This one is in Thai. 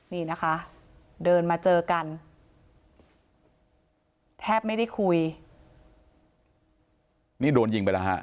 นี่นะคะเดินมาเจอกันแทบไม่ได้คุยนี่โดนยิงไปแล้วฮะ